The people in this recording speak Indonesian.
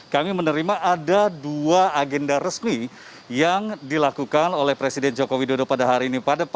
kami menerima ada dua agenda resmi yang dilakukan oleh presiden joko widodo pada hari ini